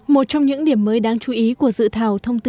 một trong những điểm mới đáng chú ý của dự thảo thông tư